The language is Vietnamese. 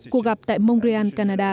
cuộc gặp tại montreal canada